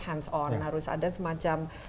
hands on harus ada semacam